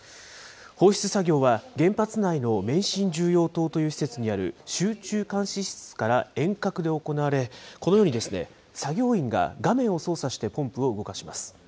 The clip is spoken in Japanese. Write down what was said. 放出作業は原発内の免震重要棟という施設にある集中監視室から遠隔で行われ、このように作業員が画面を操作してポンプを動かします。